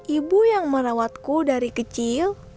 ibu yang merawatku dari kecil